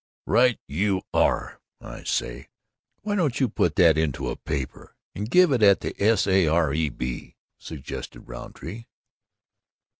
"Right you are! I say: Why don't you put that into a paper, and give it at the S. A. R. E. B.?" suggested Rountree.